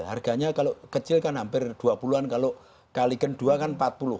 harganya kalau kecil kan hampir dua puluh an kalau kali kedua kan empat puluh